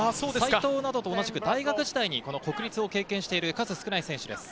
齋藤などと同じ、大学時代にこの国立を経験している数少ない選手です。